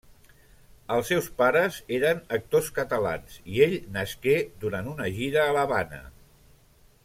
Els seus pares eren actors catalans i ell nasqué durant una gira a l'Havana.